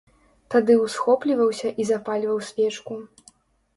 Тады ўсхопліваўся і запальваў свечку.